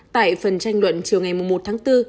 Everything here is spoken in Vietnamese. tại phần tranh luận chiều ngày một tháng bốn